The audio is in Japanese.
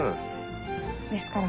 ですから。